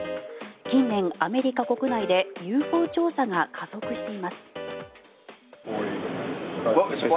近年、アメリカ国内でＵＦＯ調査が加速しています。